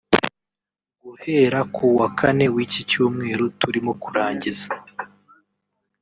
Guhera ku wa Kane w’iki cyumweru turimo kurangiza